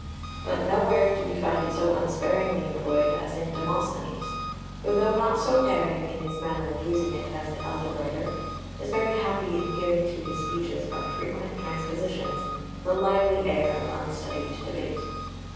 But nowhere do we find it so unsparingly employed as in Demosthenes, who though not so daring in his manner of using it as the elder writer is very happy in giving to his speeches by frequent transpositions the lively air of unstudied debate.